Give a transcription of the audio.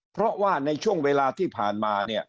เพราะว่าในช่วงเวลาที่ผ่านมาเนี่ย